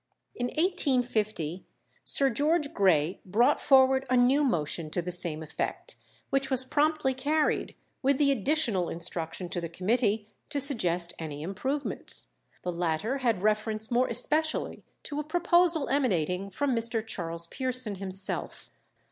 In 1850 Sir George Grey brought forward a new motion to the same effect, which was promptly carried, with the additional instruction to the committee to suggest any improvements. The latter had reference more especially to a proposal emanating from Mr. Charles Pearson himself.